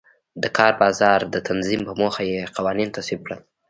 د کار بازار د تنظیم په موخه یې قوانین تصویب کړل.